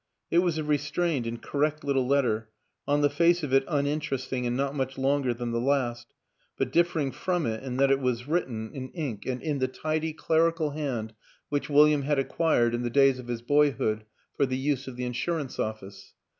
It was a restrained and correct little letter, on the face of it uninteresting and not much longer than the last, but differing from it in that it was written 239 240 WILLIAM AN ENGLISHMAN in ink and in the tidy, clerical hand which William had acquired in the days of his boyhood for the use of the insurance office.